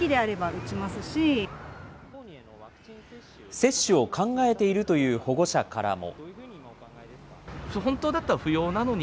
接種を考えているという保護者からも。